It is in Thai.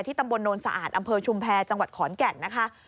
ตำบลโนนสะอาดอำเภอชุมแพรจังหวัดขอนแก่นนะคะ